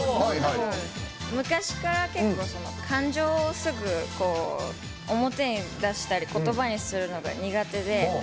昔から結構、感情をすぐ表に出したり言葉にするのが苦手で。